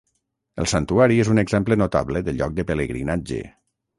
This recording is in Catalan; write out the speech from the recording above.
El santuari és un exemple notable de lloc de pelegrinatge.